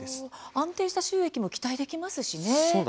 安定した収益も期待できますしね。